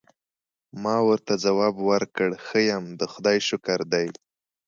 ما ورته ځواب ورکړ: ښه یم، د خدای شکر دی.